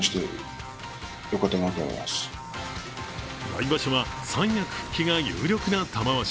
来場所は三役復帰が有力な玉鷲。